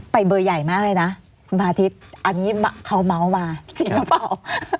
เบอร์ใหญ่มากเลยนะคุณพาทิศอันนี้เขาเมาส์มาจริงหรือเปล่า